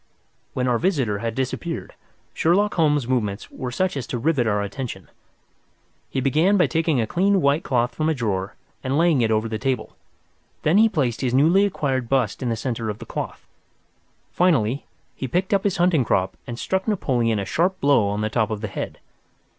When our visitor had disappeared, Sherlock Holmes's movements were such as to rivet our attention. He began by taking a clean white cloth from a drawer and laying it over the table. Then he placed his newly acquired bust in the centre of the cloth. Finally, he picked up his hunting crop and struck Napoleon a sharp blow on the top of the head.